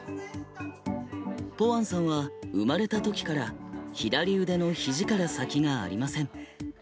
ぽわんさんは生まれた時から左腕のひじから先がありません。